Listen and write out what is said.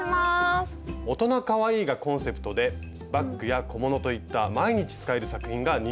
「大人かわいい」がコンセプトでバッグや小物といった毎日使える作品が人気なんです。